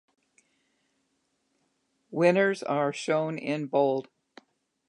Winners are shown in bold.